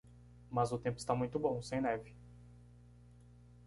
Mas o tempo está muito bom, sem neve